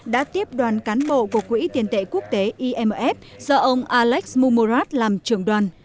đã tiếp đoàn cán bộ của quỹ tiền tệ quốc tế imf do ông alex mumorat làm trưởng đoàn